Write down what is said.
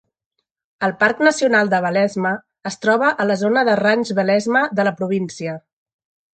El parc nacional de Belezma es troba a la zona de Range Belezma de la província.